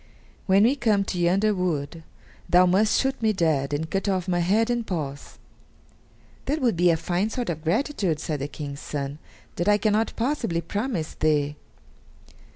"When we come to yonder wood, thou must shoot me dead and cut off my head and paws." "That would be a fine sort of gratitude," said the King's son; "that I cannot possibly promise thee."